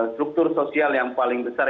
struktur sosial yang paling besar